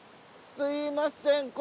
すみません